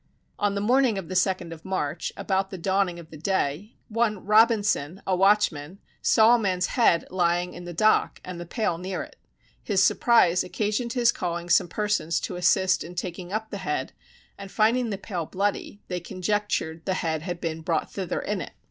On the morning of the second of March, about the dawning of the day, one Robinson a watchman saw a man's head lying in the dock, and the pail near it. His surprise occasioned his calling some persons to assist in taking up the head, and finding the pail bloody, they conjectured the head had been brought thither in it.